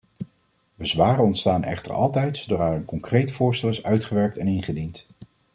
Bezwaren ontstaan echter altijd zodra er een concreet voorstel is uitgewerkt en ingediend.